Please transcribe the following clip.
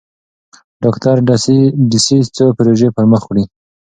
ډاکټر ډسیس څو پروژې پرمخ وړي.